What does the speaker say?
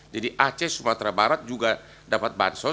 jadi aceh sumatera barat juga dapat bansos